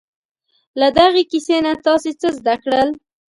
له دغې کیسې نه تاسې څه زده کړل؟